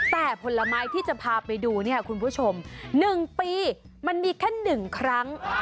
แต่ผลไม้ที่จะพาไปดูเนี่ยคุณผู้ชม๑ปีมันมีแค่๑ครั้ง